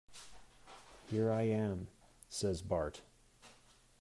"Here I am," says Bart.